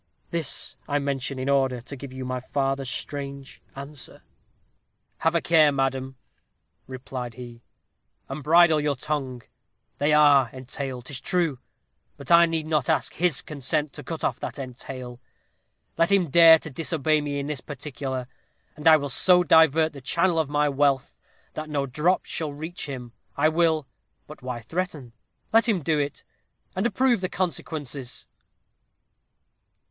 This I mention in order to give you my father's strange answer. "'Have a care, madam,' replied he, 'and bridle your tongue; they are entailed, 'tis true, but I need not ask his consent to cut off that entail. Let him dare to disobey me in this particular, and I will so divert the channel of my wealth, that no drop shall reach him. I will but why threaten? let him do it, and approve the consequences.'